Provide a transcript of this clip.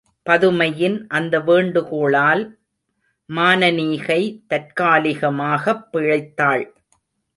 பதுமையின் அந்த வேண்டுகோளால் மானனீகை தற்காலிகமாகப் பிழைத்தாள்.